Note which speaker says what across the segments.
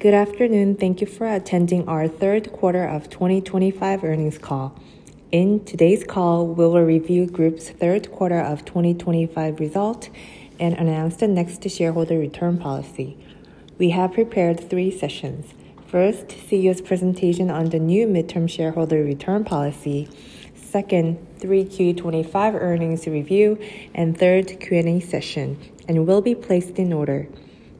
Speaker 1: Good afternoon. Thank you for attending our third quarter of 2025 earnings call. In today's call, we will review Group's third quarter of 2025 result and announce the next shareholder return policy. We have prepared three sessions. First, CEO's presentation on the new Mid-term Shareholder Return policy. Second, 3Q 2025 earnings review. Third, Q&A session and will be placed in order.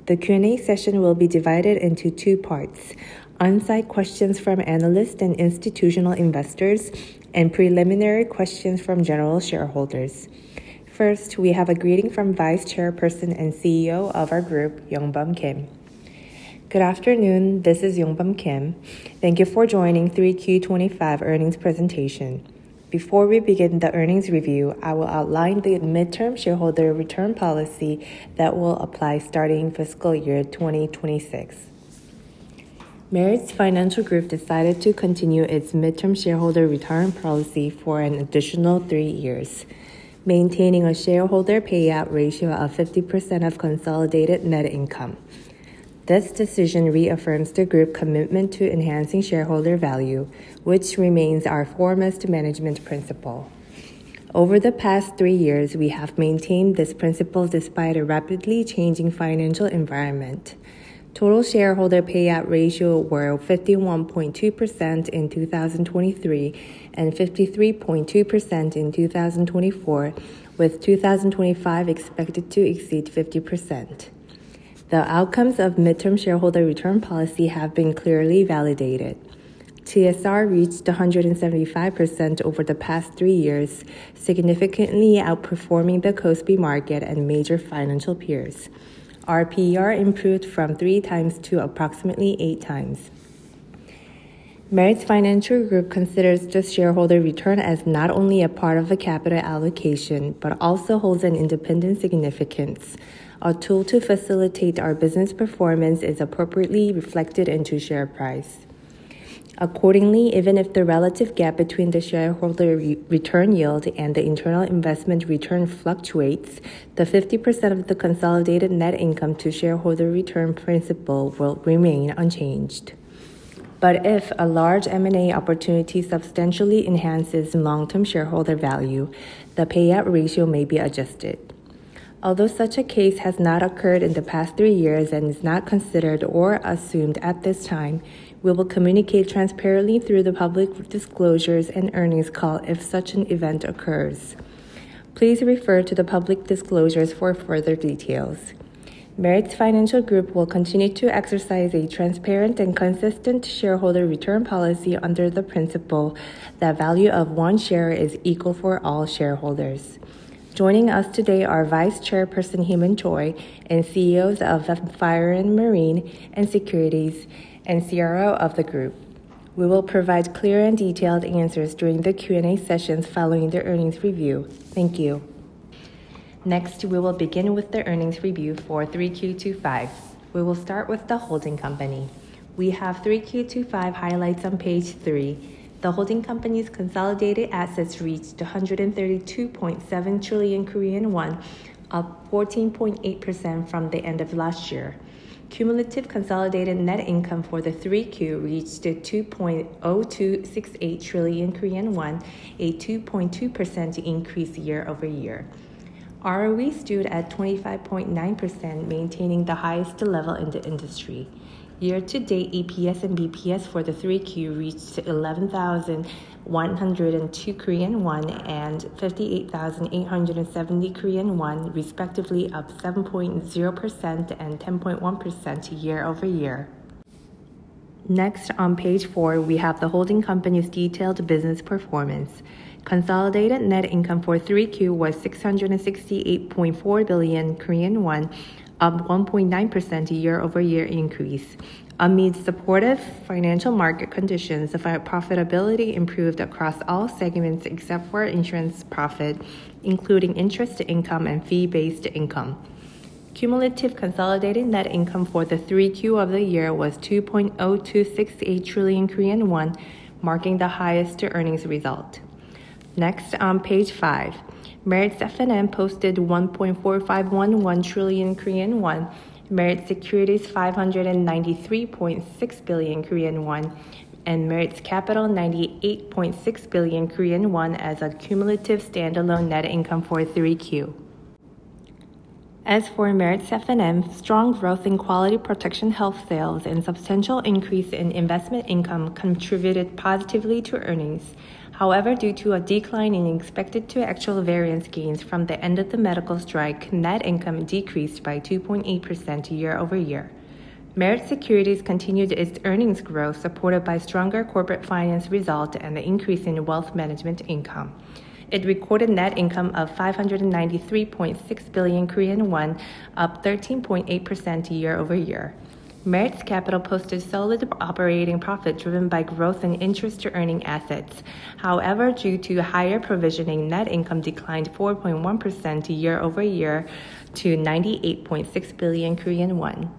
Speaker 1: The Q&A session will be divided into two parts: on-site questions from analysts and institutional investors, and preliminary questions from general shareholders. First, we have a greeting from Vice Chairperson and CEO of our Group, Yong-Beom Kim. Good afternoon.
Speaker 2: This is Yong-Beom Kim. Thank you for joining 3Q 2025 earnings presentation. Before we begin the earnings review, I will outline the Mid-term Shareholder Return policy that will apply starting fiscal year 2026. Meritz Financial Group decided to continue its Mid-term Shareholder Return policy for an additional three years, maintaining a shareholder payout ratio of 50% of consolidated net income. This decision reaffirms the group commitment to enhancing shareholder value, which remains our foremost management principle. Over the past three years, we have maintained this principle despite a rapidly changing financial environment. Total shareholder payout ratio were 51.2% in 2023, and 53.2% in 2024, with 2025 expected to exceed 50%. The outcomes of Mid-term Shareholder Return policy have been clearly validated. TSR reached 175% over the past three years, significantly outperforming the KOSPI market and major financial peers. Our PER improved from 3x to approximately 8x. Meritz Financial Group considers the shareholder return as not only a part of the capital allocation, but also holds an independent significance. A tool to facilitate our business performance is appropriately reflected into share price. Accordingly, even if the relative gap between the shareholder return yield and the internal investment return fluctuates, the 50% of the consolidated net income to shareholder return principle will remain unchanged. If a large M&A opportunity substantially enhances long-term shareholder value, the payout ratio may be adjusted. Although such a case has not occurred in the past three years and is not considered or assumed at this time, we will communicate transparently through the public disclosures and earnings call if such an event occurs. Please refer to the public disclosures for further details. Meritz Financial Group will continue to exercise a transparent and consistent shareholder return policy under the principle that value of one share is equal for all shareholders. Joining us today are Vice Chairperson Hee-moon Choi and CEOs of the Fire and Marine and Securities and CRO of the group. We will provide clear and detailed answers during the Q&A sessions following the earnings review. Thank you. Next, we will begin with the earnings review for 3Q 2025. We will start with the holding company. We have 3Q 2025 highlights on page three. The holding company's consolidated assets reached 132.7 trillion Korean won, up 14.8% from the end of last year. Cumulative consolidated net income for the 3Q reached 2.0268 trillion Korean won, a 2.2% increase year-over-year. ROE stood at 25.9%, maintaining the highest level in the industry. Year-to-date, EPS and BPS for the three Q reached 11,102 Korean won and 58,870 Korean won, respectively up 7.0% and 10.1% year-over-year. Next on page four, we have the holding company's detailed business performance. Consolidated net income for three Q was 668.4 billion Korean won, up 1.9% year-over-year increase. Amid supportive financial market conditions, profitability improved across all segments except for insurance profit, including interest income and fee-based income. Cumulative consolidating net income for the three Q of the year was 2.0268 trillion Korean won, marking the highest earnings result. Next on page five, Meritz F&M posted 1.4511 trillion Korean won, Meritz Securities 593.6 billion Korean won, and Meritz Capital 98.6 billion Korean won as a cumulative standalone net income for 3Q. As for Meritz F&M, strong growth in quality protection health sales and substantial increase in investment income contributed positively to earnings. Due to a decline in expected to actual variance gains from the end of the medical strike, net income decreased by 2.8% year-over-year. Meritz Securities continued its earnings growth supported by stronger corporate finance result and the increase in wealth management income. It recorded net income of 593.6 billion Korean won, up 13.8% year-over-year. Meritz Capital posted solid operating profit driven by growth in interest to earning assets. However, due to higher provisioning, net income declined 4.1% year-over-year to 98.6 billion Korean won.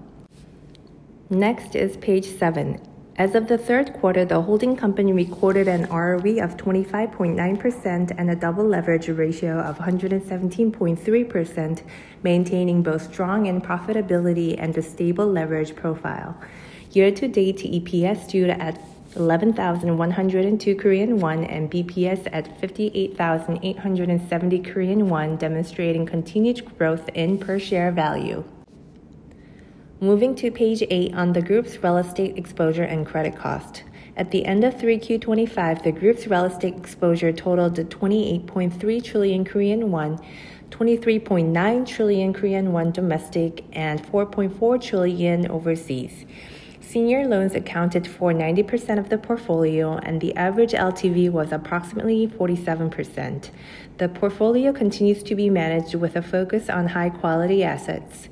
Speaker 2: Next is page seven. As of the third quarter, the holding company recorded an ROE of 25.9% and a double leverage ratio of 117.3%, maintaining both strong and profitability and a stable leverage profile. Year-to-date EPS stood at 11,102 Korean won and BPS at 58,870 Korean won, demonstrating continued growth in per-share value. Moving to page eight on the group's real estate exposure and credit cost. At the end of 3Q 2025, the group's real estate exposure totaled to 28.3 trillion Korean won, 23.9 trillion Korean won domestic, and 4.4 trillion overseas. Senior loans accounted for 90% of the portfolio, and the average LTV was approximately 47%. The portfolio continues to be managed with a focus on high-quality assets.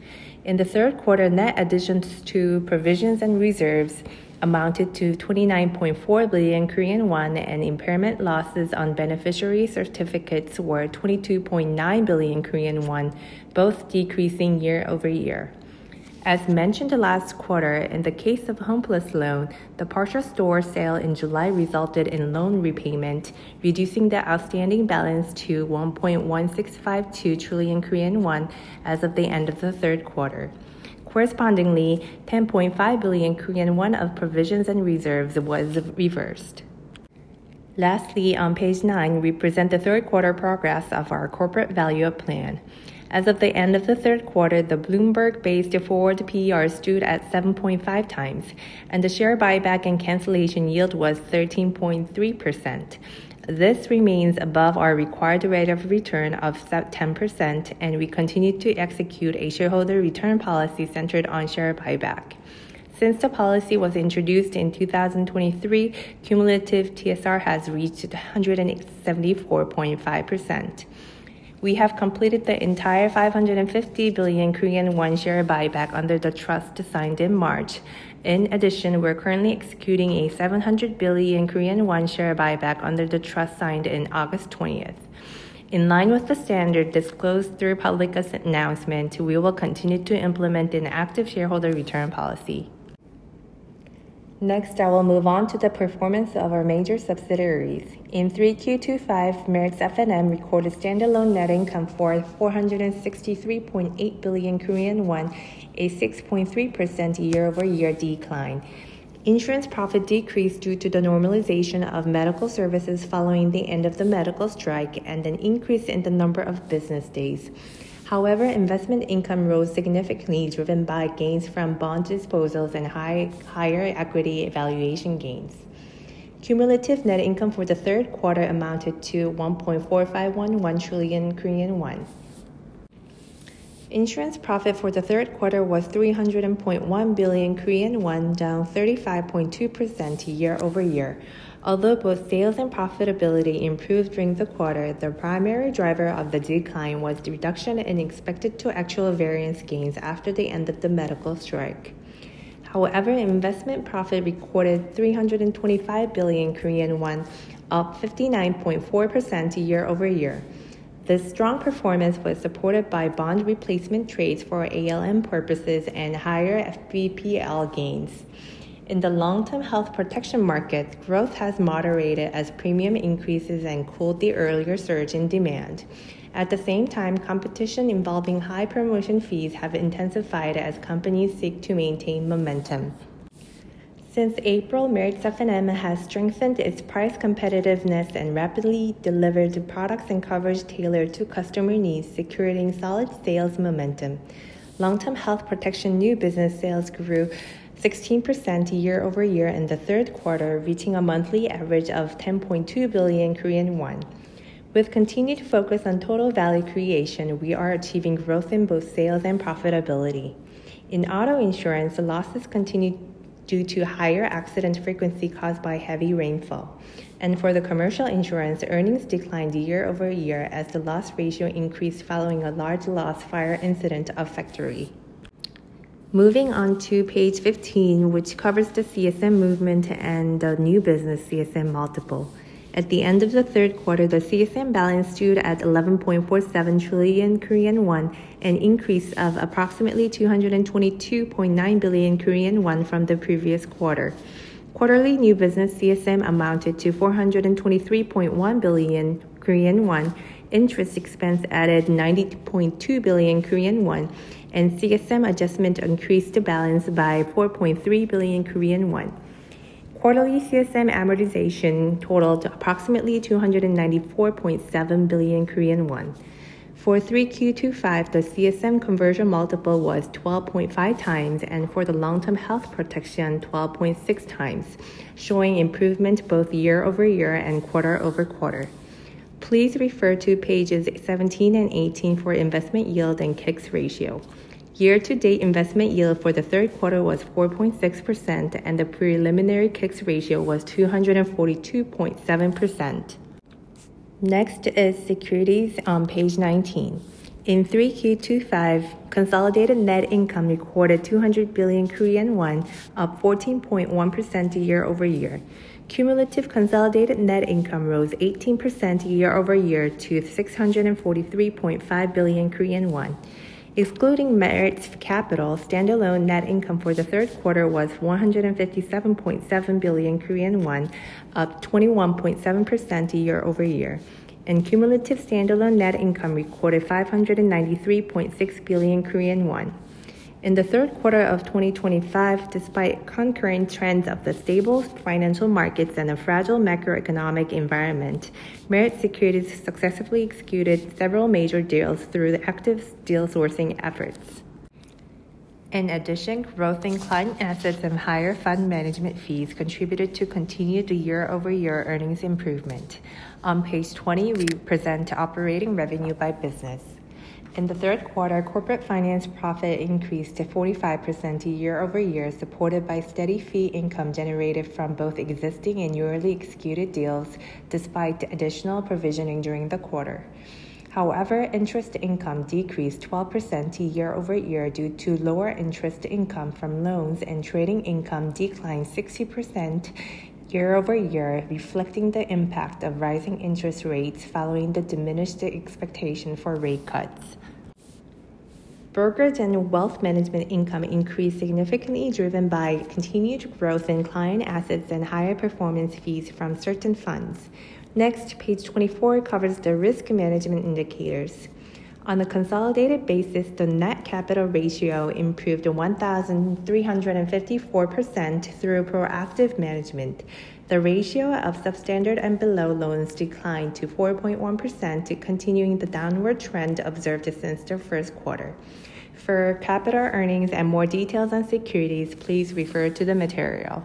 Speaker 2: In the third quarter, net additions to provisions and reserves amounted to 29.4 billion Korean won, and impairment losses on beneficiary certificates were 22.9 billion Korean won, both decreasing year-over-year. As mentioned last quarter, in the case of Homeplus loan, the partial store sale in July resulted in loan repayment, reducing the outstanding balance to 1.1652 trillion Korean won as of the end of the third quarter. Correspondingly, 10.5 billion Korean won of provisions and reserves was reversed. Lastly, on page nine, we present the third quarter progress of our Corporate Value-up Plan. As of the end of the third quarter, the Bloomberg-based forward PR stood at 7.5x, and the share buyback and cancellation yield was 13.3%. This remains above our required rate of return of 10%. We continue to execute a shareholder return policy centered on share buyback. Since the policy was introduced in 2023, cumulative TSR has reached 174.5%. We have completed the entire 550 billion share buyback under the trust signed in March. In addition, we're currently executing a 700 billion Korean won share buyback under the trust signed in August 20th. In line with the standard disclosed through public announcement, we will continue to implement an active shareholder return policy. Next, I will move on to the performance of our major subsidiaries. In 3Q 2025, Meritz F&M recorded standalone net income for 463.8 billion Korean won, a 6.3% year-over-year decline. Insurance profit decreased due to the normalization of medical services following the end of the medical strike and an increase in the number of business days. Investment income rose significantly, driven by gains from bond disposals and higher equity valuation gains. Cumulative net income for the third quarter amounted to 1.4511 trillion Korean won. Insurance profit for the third quarter was 300.1 billion Korean won, down 35.2% year-over-year. Although both sales and profitability improved during the quarter, the primary driver of the decline was the reduction in expected to actual variance gains after the end of the medical strike. However, investment profit recorded 325 billion Korean won, up 59.4% year-over-year. This strong performance was supported by bond replacement trades for ALM purposes and higher FVPL gains. In the long-term health protection market, growth has moderated as premium increases and cooled the earlier surge in demand. At the same time, competition involving high promotion fees have intensified as companies seek to maintain momentum. Since April, Meritz F&M has strengthened its price competitiveness and rapidly delivered the products and coverage tailored to customer needs, securing solid sales momentum. Long-term health protection new business sales grew 16% year-over-year in the third quarter, reaching a monthly average of 10.2 billion Korean won. With continued focus on total value creation, we are achieving growth in both sales and profitability. In auto insurance, the losses continued due to higher accident frequency caused by heavy rainfall. For the commercial insurance, earnings declined year-over-year as the loss ratio increased following a large loss fire incident of factory. Moving on to page 15, which covers the CSM movement and the new business CSM multiple. At the end of the third quarter, the CSM balance stood at 11.47 trillion Korean won, an increase of approximately 222.9 billion Korean won from the previous quarter. Quarterly new business CSM amounted to 423.1 billion Korean won, interest expense added 90.2 billion Korean won, and CSM adjustment increased the balance by 4.3 billion Korean won. Quarterly CSM amortization totaled approximately KRW 294.7 billion. For 3Q 2025, the CSM conversion multiple was 12.5x, and for the long-term health protection, 12.6x, showing improvement both year-over-year and quarter-over-quarter. Please refer to pages 17 and 18 for investment yield and K-ICS ratio. Year-to-date investment yield for the third quarter was 4.6%, and the preliminary K-ICS ratio was 242.7%. Next is securities on page 19. In 3Q 2025, consolidated net income recorded 200 billion Korean won, up 14.1% year-over-year. Cumulative consolidated net income rose 18% year-over-year to 643.5 billion Korean won. Excluding Meritz Capital, standalone net income for the third quarter was 157.7 billion Korean won, up 21.7% year-over-year. Cumulative standalone net income recorded 593.6 billion Korean won. In the third quarter of 2025, despite concurrent trends of the stable financial markets and a fragile macroeconomic environment, Meritz Securities successfully executed several major deals through the active deal sourcing efforts. Growth in client assets and higher fund management fees contributed to continued year-over-year earnings improvement. On page 20, we present operating revenue by business. In the third quarter, corporate finance profit increased to 45% year-over-year, supported by steady fee income generated from both existing and newly executed deals despite additional provisioning during the quarter. However, interest income decreased 12% year-over-year due to lower interest income from loans, and trading income declined 60% year-over-year, reflecting the impact of rising interest rates following the diminished expectation for rate cuts. Brokers and wealth management income increased significantly, driven by continued growth in client assets and higher performance fees from certain funds. Next, page 24 covers the risk management indicators. On a consolidated basis, the Net Capital Ratio improved to 1,354% through proactive management. The ratio of substandard and below loans declined to 4.1%, continuing the downward trend observed since the first quarter. For capital earnings and more details on securities, please refer to the material.